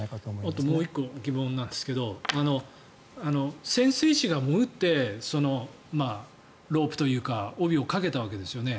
あともう１個疑問ですが潜水士が潜ってロープというか帯をかけたわけですよね。